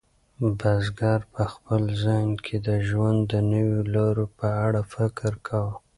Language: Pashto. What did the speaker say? بزګر په خپل ذهن کې د ژوند د نویو لارو په اړه فکر کاوه.